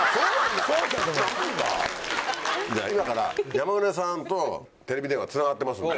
山舩さんとテレビ電話つながってますんで。